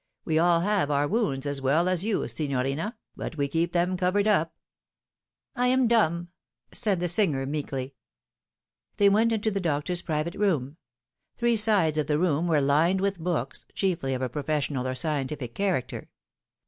We all have our wounds as well as you, signorina, but we keep them covered up." " I am dumb," said the singer meekly. They went into the doctor's private sitting room. Three sides of the room were lined with books, chiefly of a professional or scientific character.